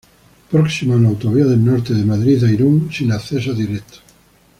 Próximo a la Autovía del Norte de Madrid a Irún, sin acceso directo.